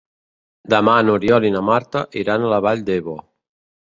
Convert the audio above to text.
Demà n'Oriol i na Marta iran a la Vall d'Ebo.